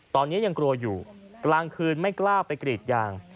ตอนนี้ยังกลัวอยู่กลางคืนไม่กล้าไปกรีดยาง